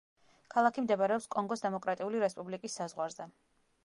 ქალაქი მდებარეობს კონგოს დემოკრატიული რესპუბლიკის საზღვარზე.